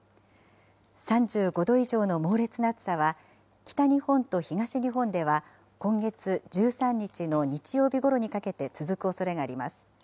３５度以上の猛烈な暑さは、北日本と東日本では今月１３日の日曜日ごろにかけて続くおそれがあります。